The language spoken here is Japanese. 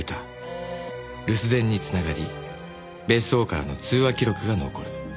留守電に繋がり別荘からの通話記録が残る。